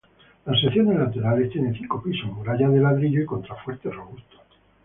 Las secciones laterales tienen cinco pisos, murallas de ladrillo y contrafuertes robustos.